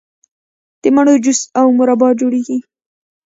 د مڼو جوس او مربا جوړیږي.